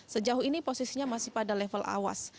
sejauh ini posisinya masih pada level awas